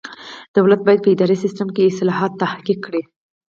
دولت باید په اداري سیسټم کې اصلاحات تحقق کړي.